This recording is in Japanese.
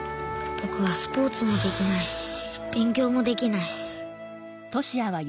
ぼくはスポーツもできないしべん強もできないし。